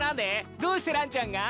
どうしてランちゃんが？